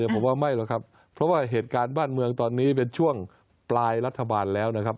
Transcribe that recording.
ผมว่าไม่หรอกครับเพราะว่าเหตุการณ์บ้านเมืองตอนนี้เป็นช่วงปลายรัฐบาลแล้วนะครับ